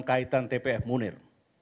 kaitan tpf munir